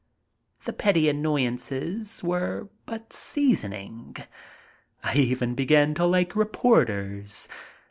The petty annoyances were but seasoning. I even begin to like reporters.